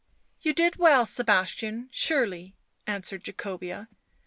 " You did well, Sebastian, surely," answered Jacobca.